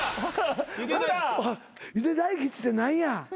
ゆで大吉って何や？